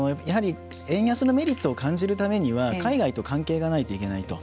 円安のメリットを感じるためには海外と関係がないといけないと。